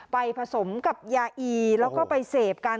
ไปผสมกับยาอีแล้วก็ไปเสพกัน